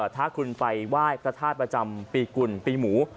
ถ้าคุณไปไหว้พระธาตุประจำปีกุลปีหมู